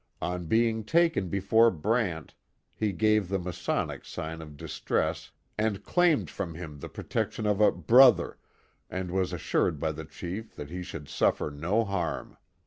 On being taken before Brant he gave the Masonic sign of distress and claimed from him the protec tion of a brother, and was assured by the chief that he should suffer no harm.